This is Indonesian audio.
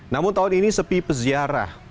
namun tahun ini sepi peziarah